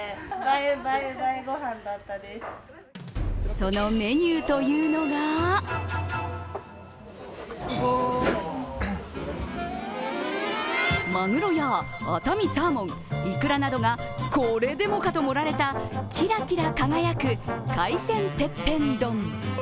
そのメニューというのがまぐろや熱海サーモンいくらなどがこれでもかと盛られたキラキラ輝く海鮮てっぺん丼。